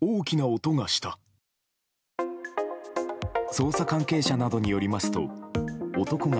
捜査関係者などによりますと男が、